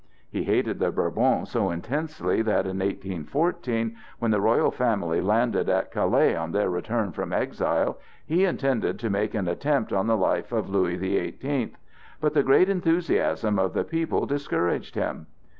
He hated the Bourbons so intensely that in 1814, when the royal family landed at Calais on their return from exile, he intended to make an attempt on the life of Louis the Eighteenth; but the great enthusiasm of the people discouraged him.